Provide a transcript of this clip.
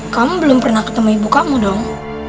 kamu belum pernah ketemu ibu kamu dong